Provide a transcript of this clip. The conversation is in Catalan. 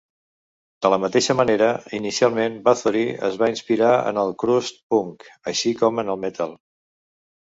De la mateixa manera, inicialment Bathory es van inspirar en el crust punk, així com en el metal.